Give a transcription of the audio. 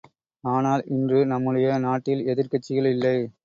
ஆனால் இன்று நம்முடைய நாட்டில் எதிர்க் கட்சிகள் இல்லை.